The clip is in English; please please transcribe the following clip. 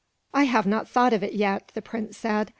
"I have not thought of it, yet," the prince said.